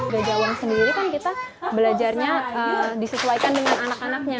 gajahwan sendiri kan kita belajarnya disesuaikan dengan anak anaknya